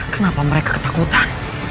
kenapa mereka ketakutan